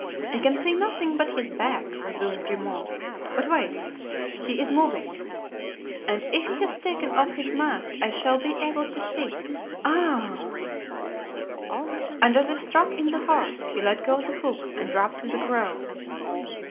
"I can see nothing but his back," resumed Grimaud. "But wait. He is moving; and if he has taken off his mask I shall be able to see. Ah——" And as if struck in the heart he let go the hook and dropped with a groan.